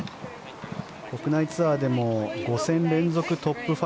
国内ツアーでも５戦連続トップ５。